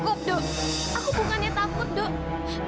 aku bukannya takut duk